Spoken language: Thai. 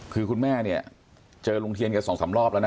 คือคุณแม่เนี่ยเจอลุงเทียนแกสองสามรอบแล้วนะ